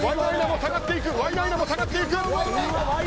ワイナイナも下がっていく！